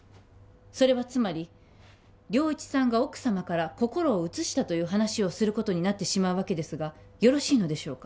それはつまり良一さんが奥様から心を移したという話をすることになってしまうわけですがよろしいのでしょうか？